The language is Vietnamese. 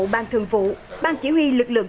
ban thường vụ ban chỉ huy lực lượng